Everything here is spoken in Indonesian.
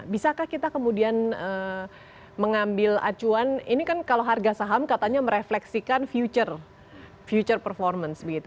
bisakah kita kemudian mengambil acuan ini kan kalau harga saham katanya merefleksikan future performance begitu